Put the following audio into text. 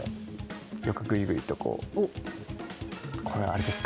よく、ぐいぐいとこれはあれですか？